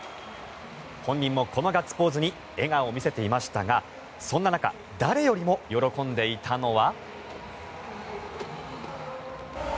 本人もこのガッツポーズに笑顔を見せていましたがそんな中誰よりも喜んでいたのは。